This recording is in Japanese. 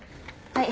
はい。